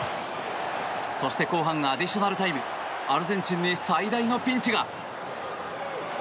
そして後半アディショナルタイムアルゼンチンに最大のピンチが。